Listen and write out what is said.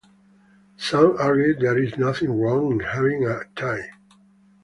Some argue there is nothing wrong in having a tie.